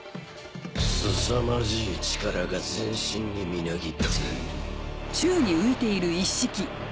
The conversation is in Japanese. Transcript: すさまじい力が全身にみなぎっている。